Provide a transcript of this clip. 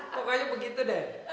pokoknya begitu deh